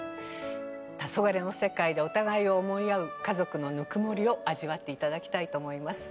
黄昏の世界でお互いを思い合う家族のぬくもりを味わって頂きたいと思います。